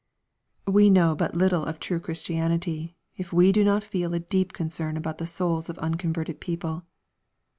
We know but little of true Christianity, if we do not feel a deep concern about the souls of unconverted people.